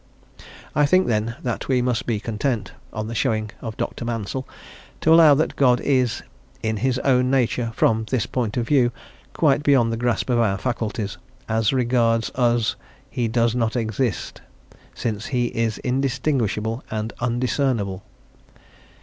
I think, then, that we must be content, on the showing of Dr. Mansel, to allow that God is, in his own nature from this point of view quite beyond the grasp of our faculties; as regards us he does not exist, since he is indistinguishable and undiscernable.